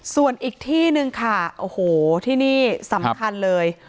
ส่วนอีกที่หนึ่งค่ะโอ้โหที่นี่สำคัญเลย